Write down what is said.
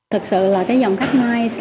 thực sự là cái dòng khách miles